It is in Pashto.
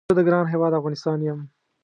زه د ګران هیواد افغانستان یم